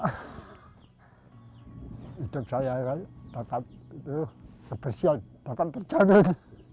hidup saya akan sebersih akan terjamin